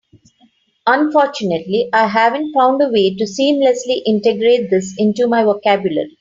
Unfortunately, I haven't found a way to seamlessly integrate this into my vocabulary.